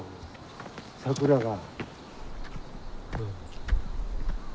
桜が。